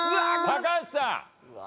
高橋さん。